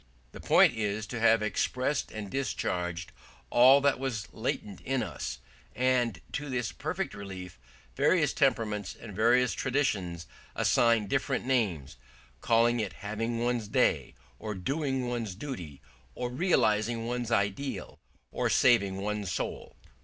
The point is to have expressed and discharged all that was latent in us; and to this perfect relief various temperaments and various traditions assign different names, calling it having one's day, or doing one's duty, or realising one's ideal, or saving one's soul.